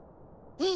うん？